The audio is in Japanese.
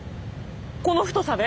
この太さで？